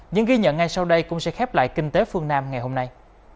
những ghi nhận ngay sau đây cũng sẽ khép lại kinh tế phương nam ngày hôm nay